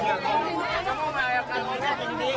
จำหน่าแบบบริสุทธิน